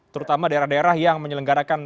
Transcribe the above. terutama daerah daerah yang menyelenggarakan